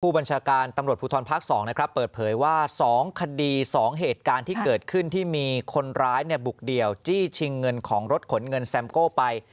บัญชาการตำรวจภูทรภาค๒นะครับเปิดเผยว่า๒คดี๒เหตุการณ์ที่เกิดขึ้นที่มีคนร้ายบุกเดี่ยวจี้ชิงเงินของรถขนเงินแซมโก้ไป